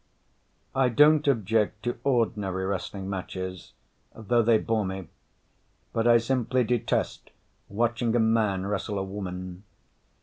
I don't object to ordinary wrestling matches, though they bore me, but I simply detest watching a man wrestle a woman.